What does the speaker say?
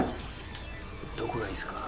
どこがいいっすか？